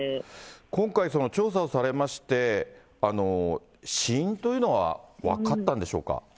今回、その調査をされまして、死因というのは分かったんでしょうか。